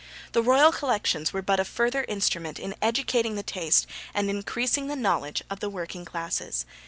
The royal collections were but a further instrument in educating the taste and increasing the knowledge of the working classes.